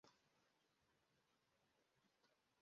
Leo hii ni Jamhuri ya Kidemokrasia ya Kongo.